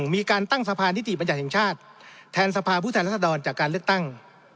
มีการตั้งสะพานิติบัญญัติแห่งชาติแทนสภาพผู้แทนรัศดรจากการเลือกตั้ง